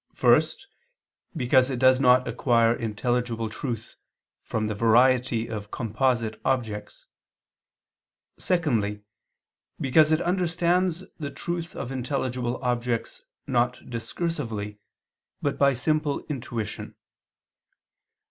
First, because it does not acquire intelligible truth from the variety of composite objects; secondly, because it understands the truth of intelligible objects not discursively, but by simple intuition.